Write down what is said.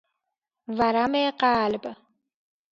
ورم قلب